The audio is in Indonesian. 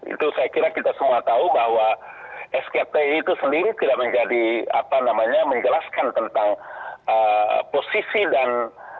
itu saya kira kita semua tahu bahwa skti itu sendiri tidak menjadi apa namanya menjelaskan tentang posisi dan